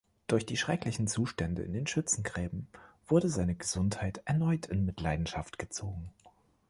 Durch die schrecklichen Zustände in den Schützengräben wurde seine Gesundheit erneut in Mitleidenschaft gezogen.